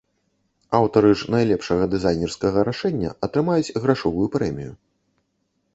Аўтары ж найлепшага дызайнерскага рашэння атрымаюць грашовую прэмію.